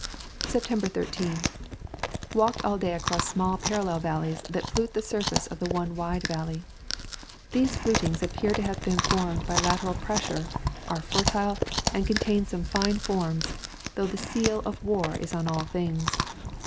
September 13. Walked all day across small parallel valleys that flute the surface of the one wide valley. These flutings appear to have been formed by lateral pressure, are fertile, and contain some fine forms, though the seal of war is on all things.